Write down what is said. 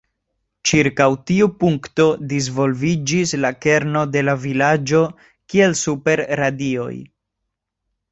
Ĉirkaŭ tiu punkto disvolviĝis la kerno de la vilaĝo kiel super radioj.